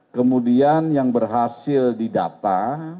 kemudian yang berhasil didata